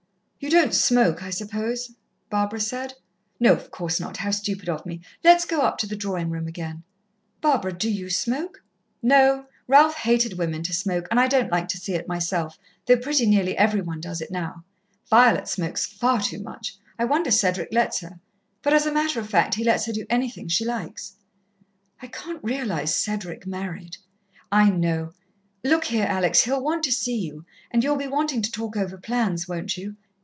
"You don't smoke, I suppose?" Barbara said. "No, of course not how stupid of me! Let's go up to the drawing room again." "Barbara, do you smoke?" "No. Ralph hated women to smoke, and I don't like to see it myself, though pretty nearly every one does it now. Violet smokes far too much. I wonder Cedric lets her. But as a matter of fact, he lets her do anything she likes." "I can't realize Cedric married." "I know. Look here, Alex, he'll want to see you and you'll be wanting to talk over plans, won't you?"